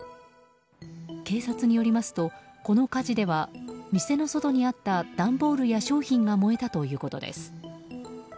警察によりますと、この火事では店の外にあった段ボールや商品が燃えたということです。